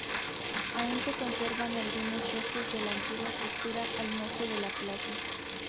Aún se conservan algunos restos de la antigua estructura al norte de la plaza.